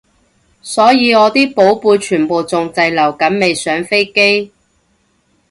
所以我啲寶貝全部仲滯留緊未上飛機